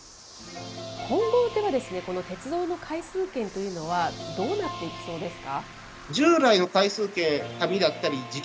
今後、では鉄道の回数券というのは、どうなっていきそうですか？